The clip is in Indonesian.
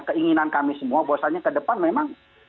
keinginan kami semua bahwasannya ke depan memang